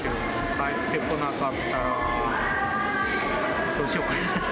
帰ってこなかったら、どうしようかなって。